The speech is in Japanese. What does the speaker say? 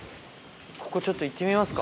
ここちょっと行ってみますか。